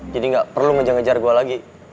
gak perlu ngejar ngejar gue lagi